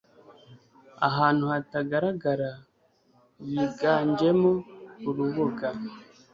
ahantu hatagaragara yiganjemo urubuga